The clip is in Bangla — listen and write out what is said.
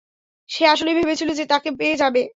সে আসলেই ভেবেছিল যে তাকে পেয়ে যাবে।